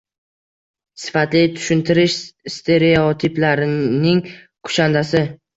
Sifatli tushuntirish – stereotiplarning kushandasi.